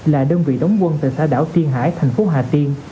là đơn vị đóng quân từ xã đảo tiên hải thành phố hà tiên